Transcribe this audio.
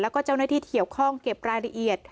แล้วก็เจ้าหน้าที่เกี่ยวข้องเก็บรายละเอียด